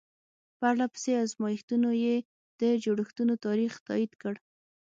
پرله پسې ازمایښتونو یې د جوړښتونو تاریخ تایید کړ.